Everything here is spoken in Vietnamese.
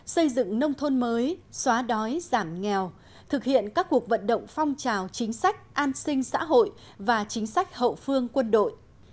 xây dựng nông thôn mới xóa đói giảm nghèo thực hiện các cuộc vận động phong trào chính sách an sinh xã hội và chính sách hậu phương quân đội